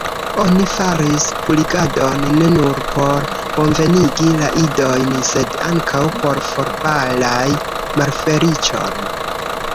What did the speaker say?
Oni faris purigadon ne nur por bonvenigi la diojn, sed ankaŭ por forbalai malfeliĉon.